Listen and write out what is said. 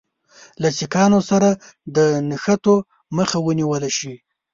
له سیکهانو سره د نښتو مخه ونیوله شي.